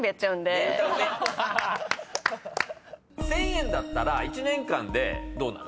１，０００円だったら１年間でどうなる？